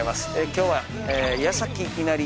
今日は。